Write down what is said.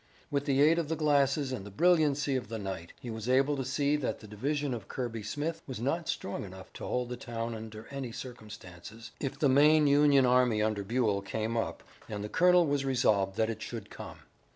With the aid of the glasses and the brilliancy of the night he was able to see that the division of Kirby Smith was not strong enough to hold the town under any circumstances, if the main Union army under Buell came up, and the colonel was resolved that it should come.